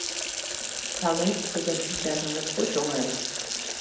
Палет, тудын шинчаже моткоч оҥай.